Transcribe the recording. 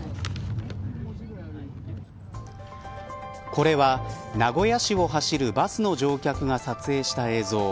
これは名古屋市を走るバスの乗客が撮影した映像。